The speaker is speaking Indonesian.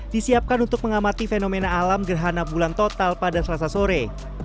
disiapkan untuk mengamati fenomena alam gerhana bulan total pada selasa sore